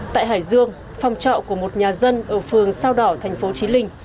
tại hải dương phòng trọ của một nhà dân ở phường sao đỏ thành phố trí linh